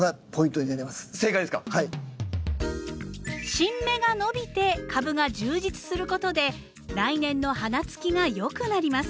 新芽が伸びて株が充実することで来年の花つきが良くなります。